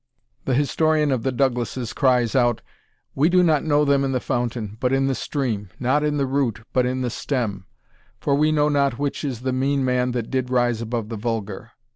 The historian (of the Douglasses) cries out, "We do not know them in the fountain, but in the stream; not in the root, but in the stem; for we know not which is the mean man that did rise above the vulgar."